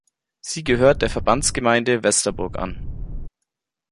Sie gehört der Verbandsgemeinde Westerburg an.